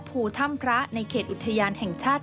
ภูถ้ำพระในเขตอุทยานแห่งชาติ